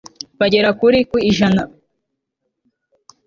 bagera kuri ku ijana